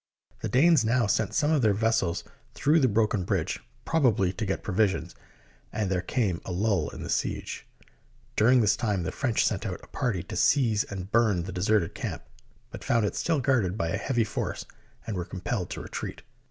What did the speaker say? The Danes now sent some of their vessels through the broken bridge, probably to get provisions, and there came a lull in the siege. During this time the French sent out a party to seize and burn the deserted camp, but found it still guarded by a heavy force and were compelled to retreat.